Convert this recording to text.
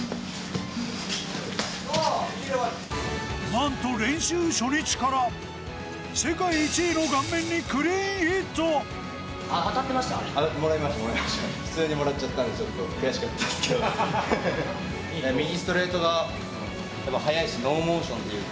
なんと練習初日から世界１位の顔面にクリーンヒット。